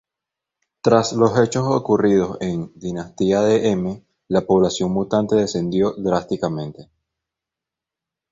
Tras los hechos ocurridos en "Dinastía de M" la población mutante descendió drásticamente.